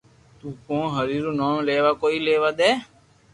تو ڪون ھري رو نوم ليوا ڪوئي ليوا دي